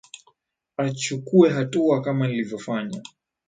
achukue hatua kama nilivyofanya